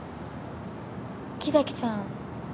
木崎さん。